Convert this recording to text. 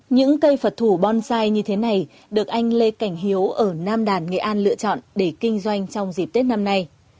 những cây phật thủ bonsai như thế này được anh lê cảnh hiếu ở nam đàn nghệ an lựa chọn để kinh doanh trong dịp tết năm nay